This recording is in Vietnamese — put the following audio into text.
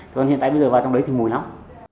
còn hiện tại bây giờ vào trong đấy thì mùi lắm